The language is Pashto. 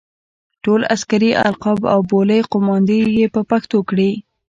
ټول عسکري القاب او بولۍ قوماندې یې په پښتو کړې.